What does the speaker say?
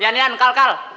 yan yan kal kal